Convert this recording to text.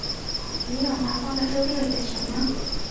你有拿放在抽屉里的钱吗？